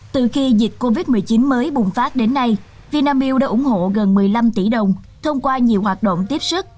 từ khi dịch covid một mươi chín mới bùng phát đến nay vinamilk đã ủng hộ gần một mươi năm tỷ đồng thông qua nhiều hoạt động tiếp sức